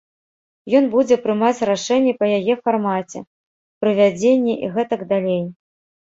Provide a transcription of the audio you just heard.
Ён будзе прымаць рашэнні па яе фармаце, правядзенні і гэтак далей.